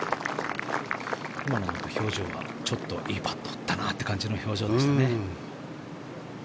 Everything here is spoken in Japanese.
今の表情はいいパットを打ったなという表情でしたね。